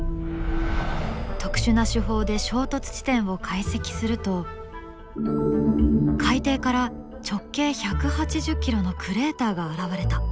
特殊な手法で衝突地点を解析すると海底から直径１８０ｋｍのクレーターが現れた。